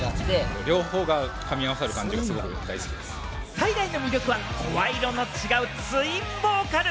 最大の魅力は声色の違うツインボーカル。